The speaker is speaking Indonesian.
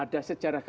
ada sejajar jantung